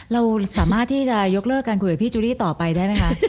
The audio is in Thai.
เราสามารถที่จะยกเลิกการคุยกับพี่จูรี่ต่อไปได้ไหมคะ